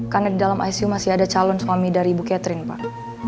karena di dalam icu masih ada calon suami dari ibu catherine pak